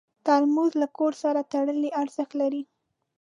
ترموز له کور سره تړلی ارزښت لري.